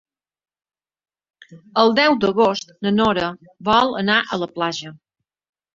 El deu d'agost na Nora vol anar a la platja.